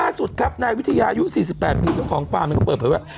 ล่าสุดครับในวิทยายุ๔๘ปีต่อของฟาร์มก็เปิดไปว่า